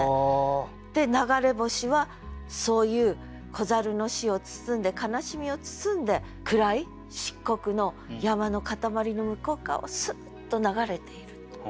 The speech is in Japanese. で流れ星はそういう子猿の死を包んで悲しみを包んで暗い漆黒の山の塊の向こう側をスーッと流れている。